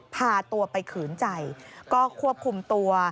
พาตัวไปขืนใจก็ควบคุมตัว